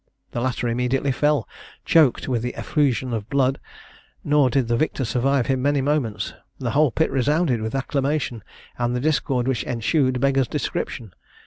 The latter immediately fell, choked with the effusion of blood, nor did the victor survive him many moments. The whole pit resounded with acclamation, and the discord which ensued beggars description.